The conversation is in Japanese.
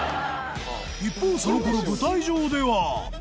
一方その頃舞台上では